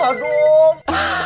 oh ampun lah dong